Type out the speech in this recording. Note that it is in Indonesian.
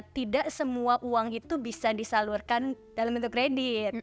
tidak semua uang itu bisa disalurkan dalam bentuk kredit